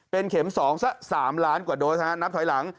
เป็นเข็ม๒สัก๓ล้านกว่าโดสนับถอยหลัง